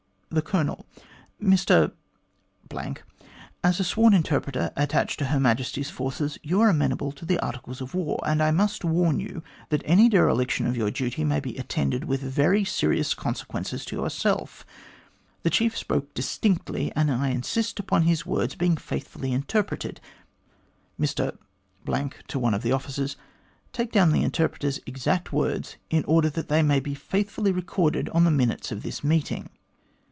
" The Colonel :' Mr , as a sworn interpreter attached to Her Majesty's forces, you are amenable to the Articles of War, and I must warn you that any dereliction from your duty may be attended with very serious consequences to yourself. The chief spoke distinctly, and I insist upon his words being faithfully in terpreted. Mr (to one of the officers), take down the in terpreter's exact words, in order that they may be faithfully recorded on the minutes of this meeting.'